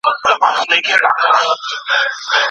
زه اوس د سبا لپاره د سبا پلان جوړوم.